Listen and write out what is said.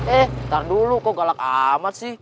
eh ntar dulu kok galak amat sih